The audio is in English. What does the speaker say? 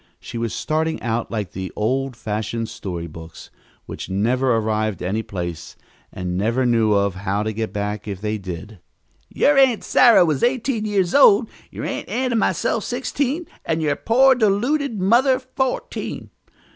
She was starting out like the old fashioned story books, which never arrived any place, and never knew how to get back if they did. "Your Aunt Sarah was eighteen years old, your Aunt Ann and myself sixteen, and your poor, deluded mother fourteen.